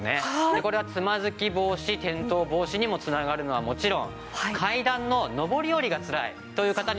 これはつまずき防止転倒防止にも繋がるのはもちろん階段の上り下りがつらいという方にもおすすめです。